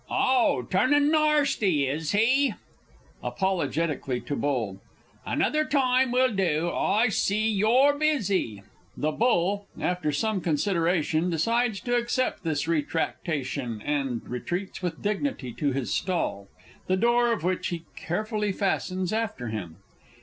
_ Oh, turning narsty, is he? [Apologetically to Bull. Another time will do! I see you're busy! [_The Bull, after some consideration, decides to accept this retractation, and retreats with dignity to his stall, the door of which he carefully fastens after him.